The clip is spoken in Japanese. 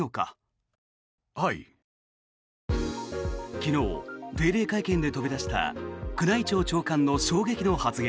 昨日、定例会見で飛び出した宮内庁長官の衝撃の発言。